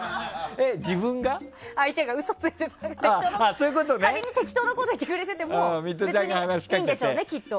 相手が仮に適当なことを言ってくれてても別にいいんでしょうね、きっと。